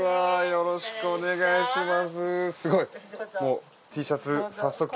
よろしくお願いします。